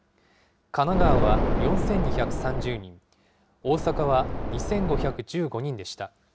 神奈川は４２３０人、大阪は２５１５人でした。